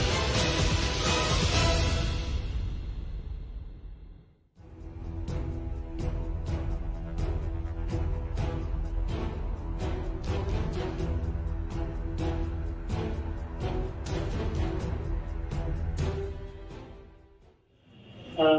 ห้าร์ดแลสด้านใกล้ใจถึงเจ้าครับ